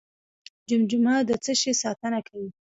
جمجمه د څه شي ساتنه کوي؟